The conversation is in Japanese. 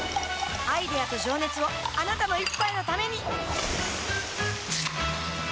アイデアと情熱をあなたの一杯のためにプシュッ！